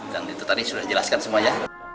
dan itu tadi sudah dijelaskan semua ya